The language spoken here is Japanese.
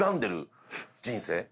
「人生。